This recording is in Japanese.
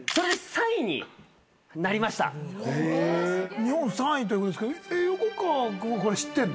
日本３位ということですけど横川君はこれ知ってんの？